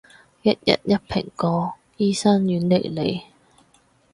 一日一蘋果，醫生遠離你